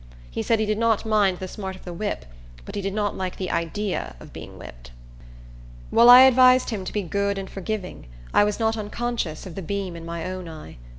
He said he did not mind the smart of the whip, but he did not like the idea of being whipped. While I advised him to be good and forgiving I was not unconscious of the beam in my own eye.